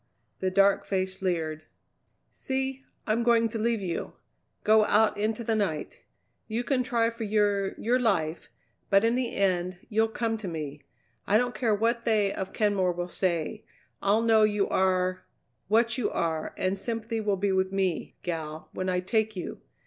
The dark face leered. "See! I'm going to leave you. Go out into the night. You can try for your your life, but in the end you'll come to me. I don't care what they of Kenmore will say, I'll know you are what you are, and sympathy will be with me, gal, when I take you.